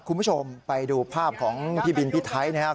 คุณผู้ชมไปดูภาพของพี่บินพี่ไทยนะครับ